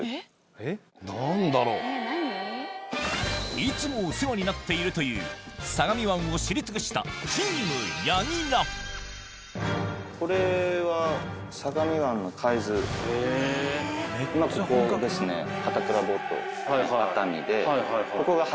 いつもお世話になっているという相模湾を知り尽くした今ここですね片倉ボート。